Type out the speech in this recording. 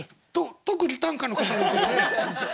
特技短歌の方ですよね？